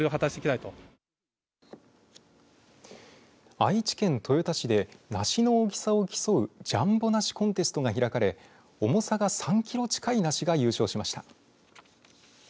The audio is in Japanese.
愛知県豊田市で梨の大きさを競うジャンボ梨コンテストが開かれ重さが３キロ近い梨が優勝しました。